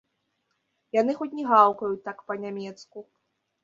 Яны хоць не гаўкаюць так па-нямецку.